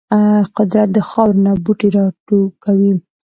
قدرت د خاورو نه بوټي راټوکوي.